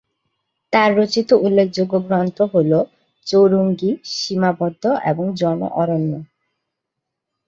তার রচিত উল্লেখযোগ্য গ্রন্থ হল "চৌরঙ্গী", "সীমাবদ্ধ" এবং "জন অরণ্য"।